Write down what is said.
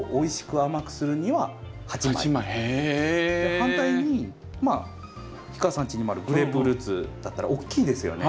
反対に氷川さんちにもあるグレープフルーツだったら大きいですよね。